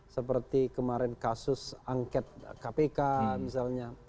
seperti kemarin kasus angket kpk misalnya